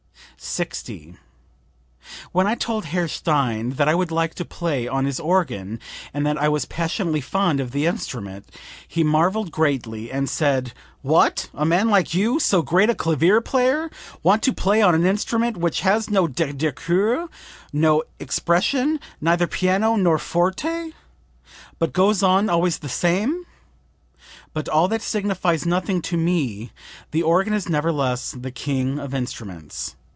60. "When I told Herr Stein that I would like to play on his organ and that I was passionately fond of the instrument, he marveled greatly and said: 'What, a man like you, so great a clavier player, want to play on an instrument which has no douceur, no expression, neither piano nor forte, but goes on always the same?' 'But all that signifies nothing; to me the organ is nevertheless the king of instruments.'